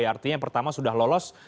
artinya pertama sudah lolos